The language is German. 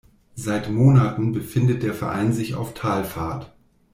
Seit Monaten befindet der Verein sich auf Talfahrt.